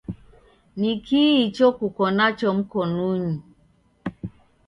Nikii icho kuko nacho mkonunyi?